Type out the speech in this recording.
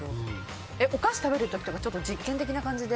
お菓子食べる時とか実験的な感じで。